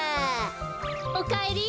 おかえり。